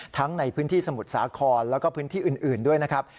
ทั้งในพื้นที่สมุทรสาครแล้วก็พื้นที่อื่นด้วยนะครับ